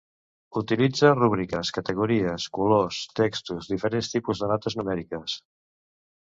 Utilitza rúbriques, categories, colors, textos, diferents tipus de notes numèriques.